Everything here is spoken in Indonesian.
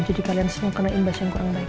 jadi kalian semua kena imbas yang kurang baik